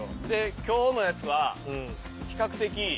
で今日のやつは比較的。